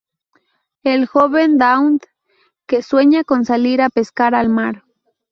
Y el joven Daoud, que sueña con salir a pescar al mar.